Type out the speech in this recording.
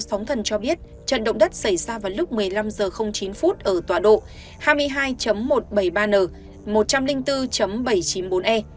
phóng thần cho biết trận động đất xảy ra vào lúc một mươi năm h chín ở tọa độ hai mươi hai một trăm bảy mươi ba n một trăm linh bốn bảy trăm chín mươi bốn e